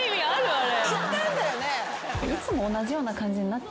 あれ。